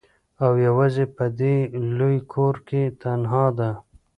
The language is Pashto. او یوازي په دې لوی کور کي تنهاده